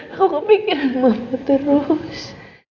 aku kepikiran mama terus